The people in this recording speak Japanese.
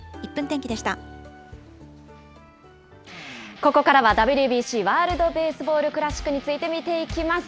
ここからはＷＢＣ・ワールドベースボールクラシックについて見ていきます。